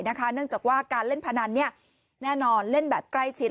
เนื่องจากว่าการเล่นพนันแน่นอนเล่นแบบใกล้ชิด